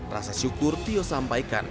rasa syukur tio sampaikan